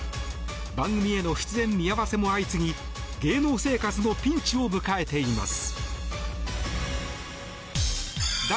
番組への出演見合わせも相次ぎ芸能生活のピンチを迎えています。